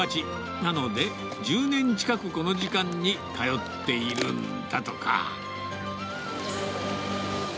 なので、１０年近くこの時間に通っているんだとか。